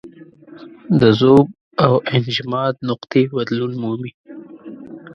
د ذوب او انجماد نقطې بدلون مومي.